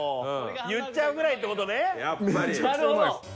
言っちゃうぐらいって事ね。